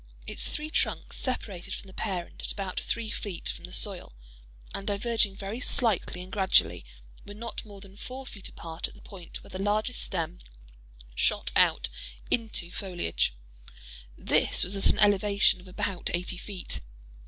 Its three trunks separated from the parent at about three feet from the soil, and diverging very slightly and gradually, were not more than four feet apart at the point where the largest stem shot out into foliage: this was at an elevation of about eighty feet.